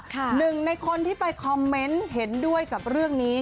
หนึ่งในคนที่ไปคอมเมนต์เห็นด้วยกับเรื่องนี้